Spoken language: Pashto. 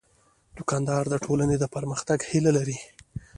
دوکاندار د ټولنې د پرمختګ هیله لري.